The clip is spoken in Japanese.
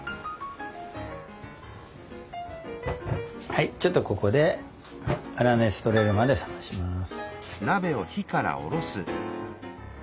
はいちょっとここで粗熱とれるまで冷まします。